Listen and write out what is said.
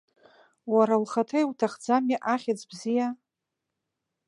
Уара ухаҭа иуҭахӡами ахьӡ бзиа?